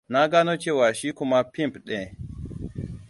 Na gano cewa shi kuma pimp ne.